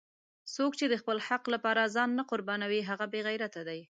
څوک چې د خپل حق لپاره ځان نه قربانوي هغه بېغیرته دی!